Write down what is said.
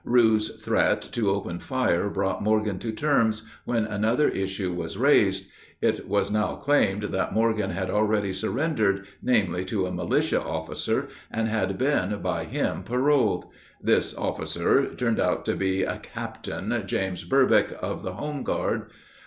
Rue's threat to open fire brought Morgan to terms, when another issue was raised. It was now claimed that Morgan had already surrendered, namely, to a militia officer, and had been by him paroled. This "officer" turned out to be "Captain" James Burbick, of the home guard.